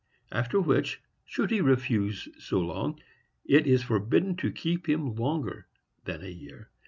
After which, should he refuse so long, it is forbidden to keep him longer than a year.